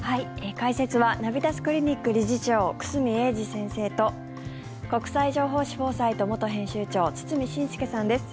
解説はナビタスクリニック理事長久住英二先生と国際情報誌「フォーサイト」元編集長、堤伸輔さんです。